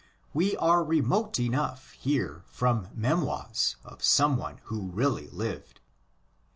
Weare remote enough here from memoirs of some one who really lived.